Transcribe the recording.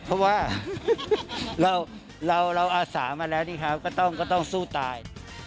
เพราะว่าเราอาสามาแล้วนี่ครับก็ต้องสู้ตาย